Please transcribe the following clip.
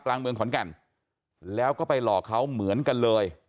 กลางเมืองขอนแก่นแล้วก็ไปหลอกเขาเหมือนกันเลย